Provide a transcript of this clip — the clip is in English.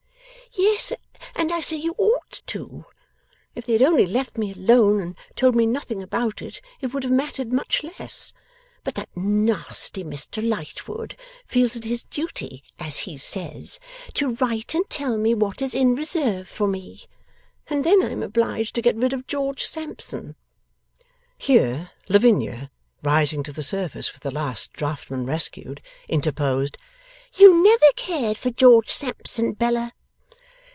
'Yes, and I say you ought to. If they had only left me alone and told me nothing about it, it would have mattered much less. But that nasty Mr Lightwood feels it his duty, as he says, to write and tell me what is in reserve for me, and then I am obliged to get rid of George Sampson.' Here, Lavinia, rising to the surface with the last draughtman rescued, interposed, 'You never cared for George Sampson, Bella.